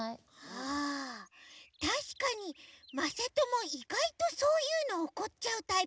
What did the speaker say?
ああたしかにまさともいがいとそういうのおこっちゃうタイプなのかも。